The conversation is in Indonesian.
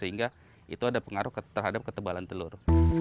sehingga itu ada pengaruh terhadap ketebalan telur